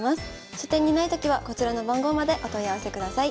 書店にないときはこちらの番号までお問い合わせください。